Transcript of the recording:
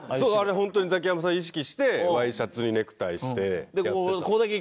本当にザキヤマさんを意識してワイシャツにネクタイしてやってた。